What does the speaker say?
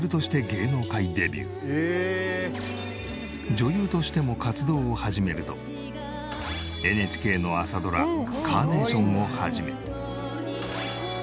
女優としても活動を始めるとＮＨＫの朝ドラ『カーネーション』を始め。